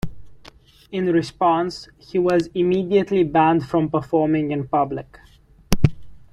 In response, he was immediately banned from performing in public.